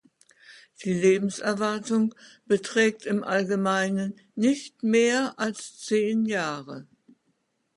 Die Lebenserwartung beträgt im Allgemeinen nicht mehr als zehn Jahre.